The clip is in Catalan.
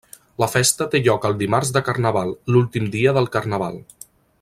La festa té lloc el dimarts de Carnaval, l'últim dia del carnaval.